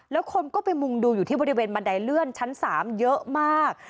แล้วคนก็ไปมุงดูอยู่ที่บริเวณบันไดเลื่อนชั้น๓เยอะมาก